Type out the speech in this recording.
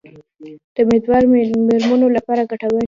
د امیندواره میرمنو لپاره ګټور دي.